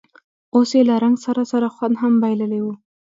اوس یې له رنګ سره سره خوند هم بایللی و.